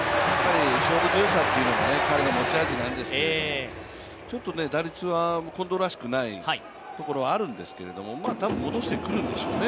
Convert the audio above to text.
勝負強さというのが彼の持ち味なんですけれども、ちょっと打率は近藤らしくないところはあるんですけれども多分、戻してくるんでしょうね。